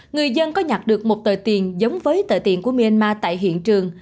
người dân có nhặt được một tờ tiền giống với tờ tiền của myanmar tại hiện trường